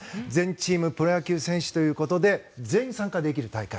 チームプロ野球選手ということで全員が参加できる大会。